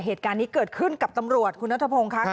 เหตุการณ์นี้เกิดขึ้นกับตำรวจคุณนัทพงศ์ค่ะ